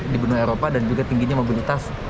di benua eropa dan juga tingginya mobilitas